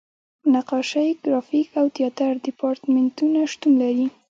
نقاشۍ، ګرافیک او تیاتر دیپارتمنټونه شتون لري.